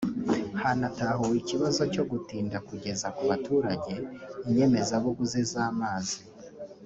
Hanatahuwe ikibazo cyo gutinda kugeza ku baturage inyemezabuguzi z’amazi